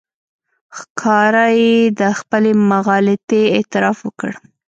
ښکاره یې د خپلې مغالطې اعتراف وکړ.